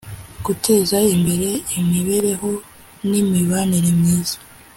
guteza imbere imibereho n imibanire myiza